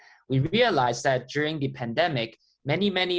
kami menyadari bahwa dalam pandemi ini